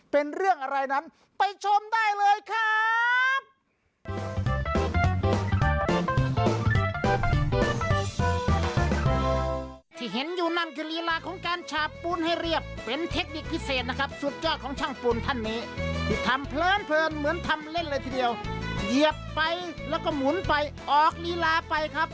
เป็นเรื่องอะไรนั้นไปชมได้เลยครับ